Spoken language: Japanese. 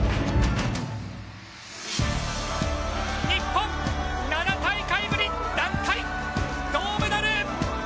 日本、７大会ぶり団体銅メダル！